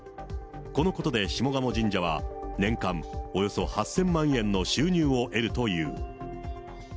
このことで下鴨神社は、年間およそ８０００万円の収入を得るという。